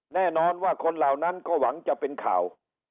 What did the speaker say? แน่นอนว่าคนเหล่านั้นก็หวังจะเป็นข่าว